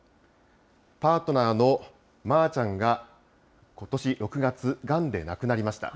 パートナーのまーちゃんがことし６月、がんで亡くなりました。